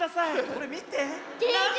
これみて。